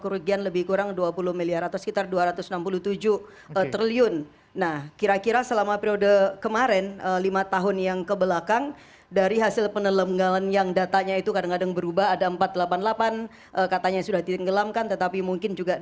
sekali untuk menunjang hal hal positif